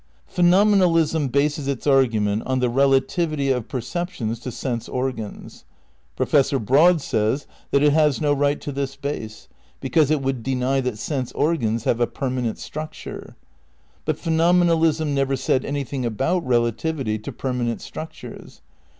Phenomenalism bases its argument on the relativity of perceptions to sense organs. Professor Broad says that it has no right to this base, because it would deny that sense organs have '' a permanent structure. '' But phenomenalism never said anything about relativity to permanent structures.